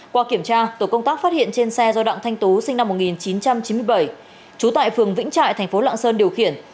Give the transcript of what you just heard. qua kiểm tra tổ công tác phát hiện trên xe do đặng thanh tú sinh năm một nghìn chín trăm chín mươi bảy trú tại phường vĩnh trại thành phố lạng sơn điều khiển